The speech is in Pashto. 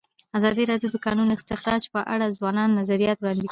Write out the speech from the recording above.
ازادي راډیو د د کانونو استخراج په اړه د ځوانانو نظریات وړاندې کړي.